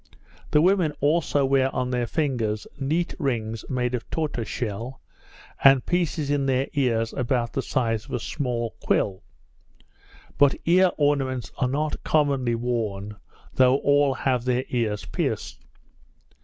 The women also wear on their fingers neat rings made of tortoise shell, and pieces in their ears about the size of a small quill; but ear ornaments are not commonly worn, though all have their ears pierced.